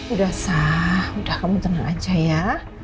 udah sah udah kamu tenang aja ya